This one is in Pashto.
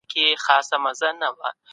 توازن په اقتصاد کي د ارامۍ احساس ورکوي.